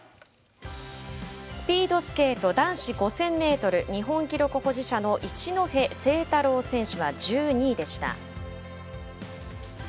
スピードスケート男子５０００ｍ日本記録保持者の一戸誠太郎選手は１２位でした。